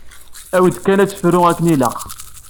Awi-d kan ad tefru akken ilaq.